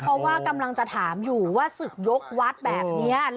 เพราะว่ากำลังจะถามอยู่ว่าศึกยกวัดแบบนี้